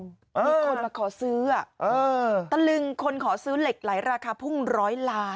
มีคนมาขอซื้อตะลึงคนขอซื้อเหล็กไหลราคาพุ่งร้อยล้าน